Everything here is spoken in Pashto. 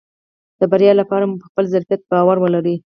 د بريا لپاره مو په خپل ظرفيت باور ولرئ .